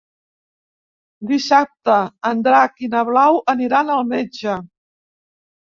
Dissabte en Drac i na Blau aniran al metge.